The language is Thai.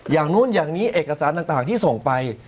อย่างนู้นอย่างนี้เอกสารต่างที่ส่งไป